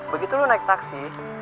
begitu lo naik taksi